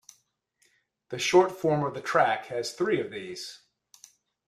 The short form of the track has three of these.